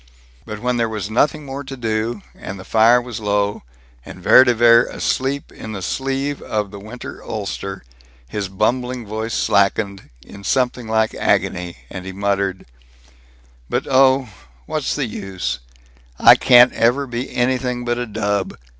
But when there was nothing more to do, and the fire was low, and Vere de Vere asleep in the sleeve of the winter ulster, his bumbling voice slackened; in something like agony he muttered: "But oh, what's the use? I can't ever be anything but a dub!